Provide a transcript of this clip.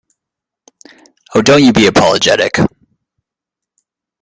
Oh, don’t you be apologetic!